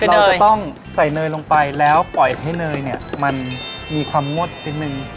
เราจะต้องใส่เนยลงไปแล้วปล่อยให้เนยเนี่ยมันมีความงดนิดนึง